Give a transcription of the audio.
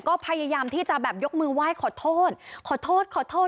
ก็พยายามที่จะแบบยกมือไหว้ขอโทษขอโทษขอโทษขอโทษ